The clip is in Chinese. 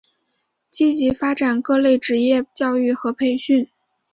积极发展各类职业教育和培训。